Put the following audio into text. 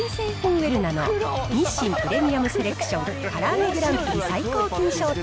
ウェルナの日清プレミアムセレクション、からあげグランプリ最高金賞店